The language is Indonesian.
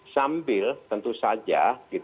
sambil tentu saja